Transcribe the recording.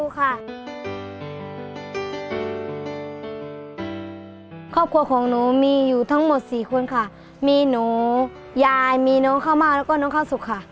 ครอบครัวของหนูมีอยู่ทั้งหมด๔คนค่ะมีหนูยายมีน้องข้าวมากแล้วก็น้องข้าวสุกค่ะ